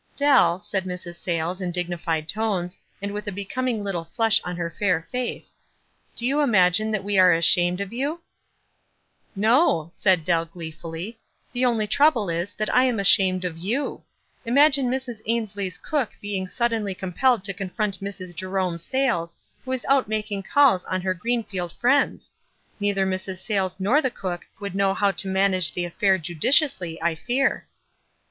"Dell," said Mrs. Sayles, in dignified tones, and with a becoming little flush on her fair face, " do you imagine that we are ashamed of you ?" "No," said" Dell gleefully ;" the only trouble is, that I am ashamed of you. Imngine Mrs. Ainslie's cook being suddenly compelled to con front Mrs. Jerome Sayles, who is out making calls on her Greenfield friends ! Neither Mrs. Sa} T les nor the cook would know how to manage the matter judiciously, I fear."